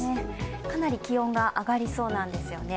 かなり気温が上がりそうなんですよね。